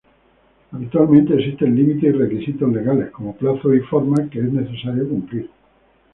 Habitualmente existen límites y requisitos legales, como plazos y formas, que es necesario cumplir.